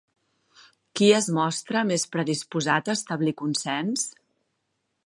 Qui es mostra més predisposat a establir consens?